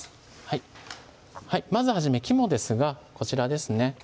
まず初め肝ですがこちらですね